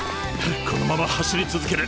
このまま走り続ける。